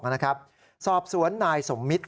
นะครับสอบสวนนายสมมิตร